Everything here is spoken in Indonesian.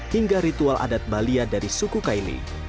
hingga ritual adat balia dari suku kaini